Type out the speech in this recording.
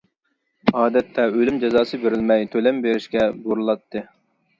ئادەتتە ئۆلۈم جازاسى بېرىلمەي، تۆلەم بېرىشكە بۇيرۇلاتتى.